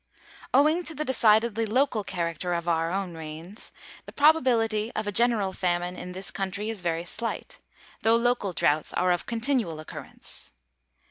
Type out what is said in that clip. Owing to the decidedly local character of our own rains, the probability of a general famine in this country is very slight, though local droughts are of continual occurrence.